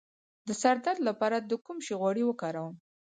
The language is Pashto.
د سر درد لپاره د کوم شي غوړي وکاروم؟